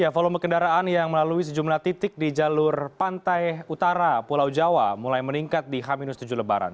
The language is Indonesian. volume kendaraan yang melalui sejumlah titik di jalur pantai utara pulau jawa mulai meningkat di h tujuh lebaran